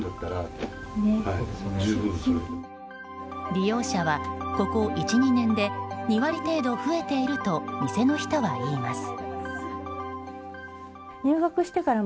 利用者はここ１２年で２割程度増えていると店の人は言います。